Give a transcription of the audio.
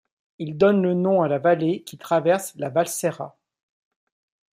Il donne le nom à la vallée qu'il traverse la Valserra.